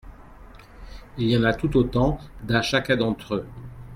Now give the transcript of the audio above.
Il y en a tout autant das chacun d'entre eux.